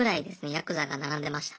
ヤクザが並んでました。